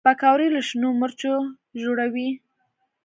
پکورې له شنو مرچو ژړوي